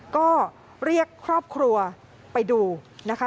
ก็เรียกครอบครัวไปดูนะคะ